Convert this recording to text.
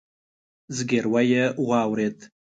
ځګيروی يې واورېد.